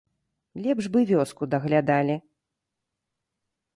Лепш бы вёску даглядалі.